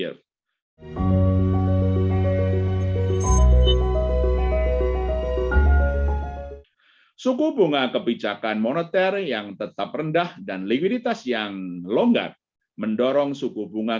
suku bunga kebijakan moneter yang tetap rendah dan likuiditas yang longgar mendorong suku bunga